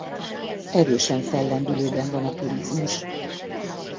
Erősen fellendülőben van a turizmus.